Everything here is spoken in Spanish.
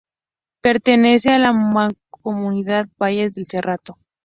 Pertenece a la Mancomunidad Valles del Cerrato.